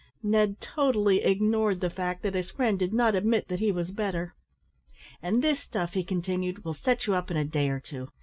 Ned totally ignored the fact that his friend did not admit that he was better. "And this stuff," he continued, "will set you up in a day or two.